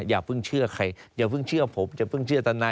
อย่าเพิ่งเชื่อใครอย่าเพิ่งเชื่อผมอย่าเพิ่งเชื่อตนา